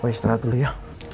aku istirahat dulu ya